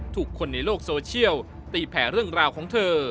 ถูกคนในโลกโซเชียลตีแผ่เรื่องราวของเธอ